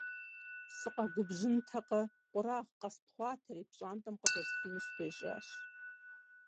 Сыкъэгубжьынтэкъэ, къурагъ къэспхъуатэри, пщӀантӀэм къыдэсхуну сыхуежьащ.